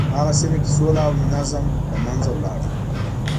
په هغه سیمه کې سوله او نظم له منځه ولاړ.